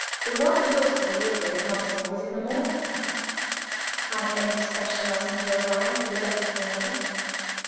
The one postal delivery at Monksmoor was in the morning. Had any special messenger arrived, with a letter for Emily?